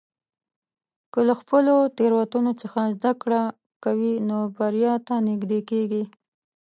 که له خپلو تېروتنو څخه زده کړه کوې، نو بریا ته نږدې کېږې.